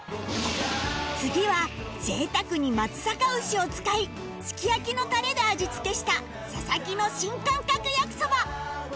次は贅沢に松阪牛を使いすき焼きのタレで味付けした佐々木の新感覚焼きそば